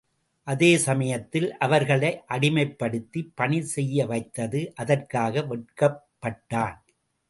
அதே சமயத்தில் அவர்களை அடிமைப்படுத்திப் பணி செய்ய வைத்தது அதற்காக வெட்கப் பட்டான்.